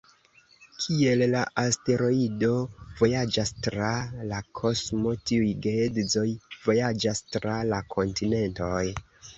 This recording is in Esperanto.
Kiel la asteroido vojaĝas tra la kosmo, tiuj geedzoj vojaĝas tra la kontinentoj.